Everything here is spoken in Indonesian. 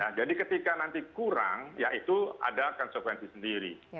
nah jadi ketika nanti kurang yaitu ada konsekuensi sendiri